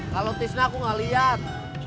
kalau tisna aku gak liat